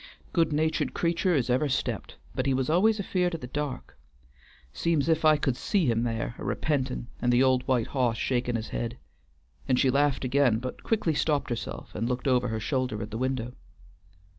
Good natured creatur' as ever stept; but he always was afeard of the dark, 'seems 's if I could see him there a repentin' and the old white hoss shakin' his head," and she laughed again, but quickly stopped herself and looked over her shoulder at the window.